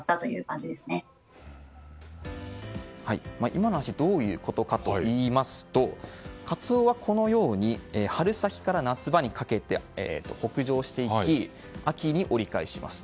今の話どういうことかと言いますとカツオはこのように春先から夏場にかけて北上していき、秋に折り返します。